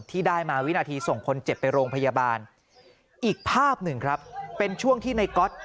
ที่ได้มาวินาทีส่งคนเจ็บไปโรงพยาบาลอีกภาพหนึ่งครับเป็นช่วงที่ในก๊อต